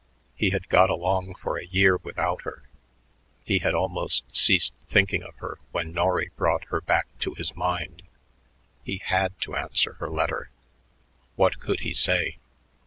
He had got along for a year without her; he had almost ceased thinking of her when Norry brought her back to his mind. He had to answer her letter. What could he say?